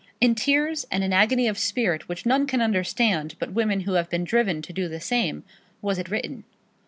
In tears and an agony of spirit which none can understand but women who have been driven to do the same, was it written.